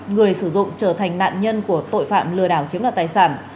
người sử dụng trở thành nạn nhân của tội phạm lừa đảo chiếm đoạt tài sản